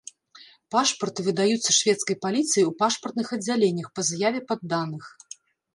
Пашпарты выдаюцца шведскай паліцыяй у пашпартных аддзяленнях па заяве падданых.